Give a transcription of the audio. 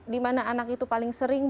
di mana anak itu paling seringnya